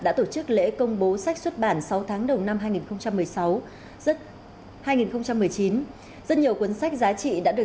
đã tổ chức lễ công bố sách xuất bản sáu tháng đầu năm hai nghìn một mươi chín rất nhiều cuốn sách giá trị đã được